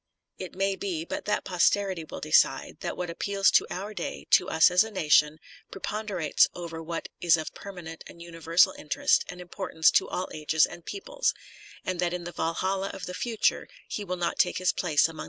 It may be — but that posterity will decide — that what appeals to our day, to us as a nation, preponderates over what is of permanent and universal interest and importance to all ages and peoples, and that in the Valhalla of the Future •" In Memoriam," Ixxiii.